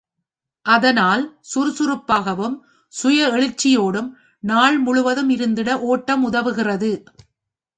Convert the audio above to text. அதனால் சுறுசுறுப்பாகவும் சுய எழுச்சியோடும் நாள் முழுதும் இருந்திட ஒட்டம் உதவுகிறது.